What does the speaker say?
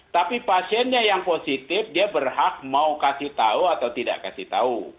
tapi pasiennya yang positif dia berhak mau kasih tahu atau tidak kasih tahu